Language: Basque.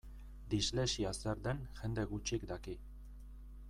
Dislexia zer den jende gutxik daki.